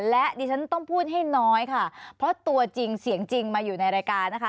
และดิฉันต้องพูดให้น้อยค่ะเพราะตัวจริงเสียงจริงมาอยู่ในรายการนะคะ